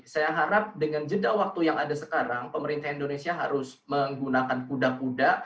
saya harap dengan jeda waktu yang ada sekarang pemerintah indonesia harus menggunakan kuda kuda